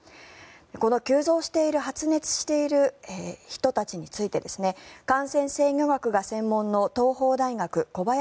この急増している発熱している人たちについて感染制御学が専門の東邦大学、小林寅